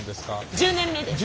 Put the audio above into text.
１０年目です。